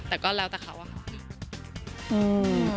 แต่ก็แล้วแต่เขาอะค่ะ